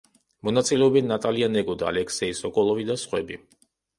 მონაწილეობენ ნატალია ნეგოდა, ალექსეი სოკოლოვი და სხვები.